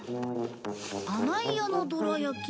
「甘井屋のどら焼き」